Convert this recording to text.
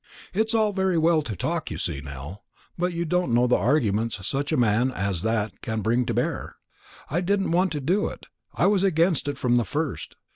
It's all very well to talk, you see, Nell, but you don't know the arguments such a man as that can bring to bear. I didn't want to do it; I was against it from the first.